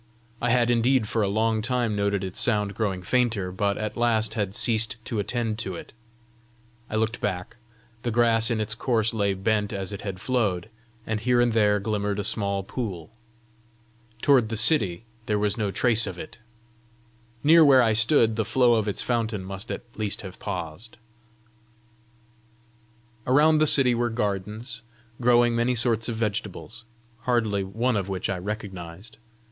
I had indeed for a long time noted its sound growing fainter, but at last had ceased to attend to it. I looked back: the grass in its course lay bent as it had flowed, and here and there glimmered a small pool. Toward the city, there was no trace of it. Near where I stood, the flow of its fountain must at least have paused! Around the city were gardens, growing many sorts of vegetables, hardly one of which I recognised.